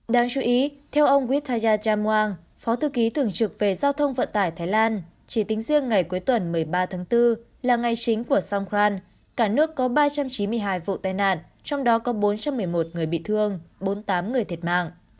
đáng chú ý theo ông wttaya jamwang phó thư ký thường trực về giao thông vận tải thái lan chỉ tính riêng ngày cuối tuần một mươi ba tháng bốn là ngày chính của song gran cả nước có ba trăm chín mươi hai vụ tai nạn trong đó có bốn trăm một mươi một người bị thương bốn mươi tám người thiệt mạng